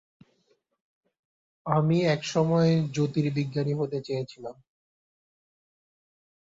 আমি একসময় জ্যোতির্বিজ্ঞানী হতে চেয়েছিলাম।